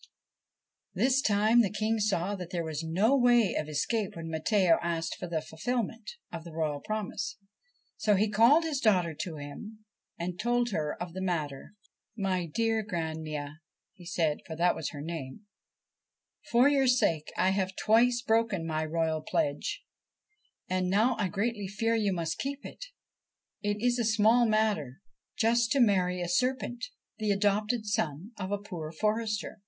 This time the King saw that there was no way of escape when Matteo asked for the fulfilment of the royal promise, so he called his daughter to him and told her of the matter. 1 My dear Grannmia,' he said, for that was her name, ' for your sake I have twice broken my royal pledge, and now I greatly fear you must keep it. It is a small matter just to marry a serpent, the adopted son of a poor forester.'